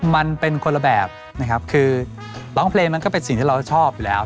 มันเป็นคนละแบบนะครับคือร้องเพลงมันก็เป็นสิ่งที่เราชอบอยู่แล้ว